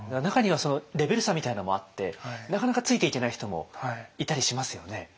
中にはレベル差みたいなのもあってなかなかついていけない人もいたりしますよね？